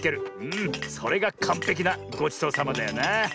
うんそれがかんぺきなごちそうさまだよな。